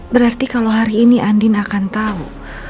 berarti kalo hari ini andin akan tau